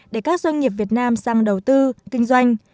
để các doanh nghiệp việt nam sang đầu tư kinh doanh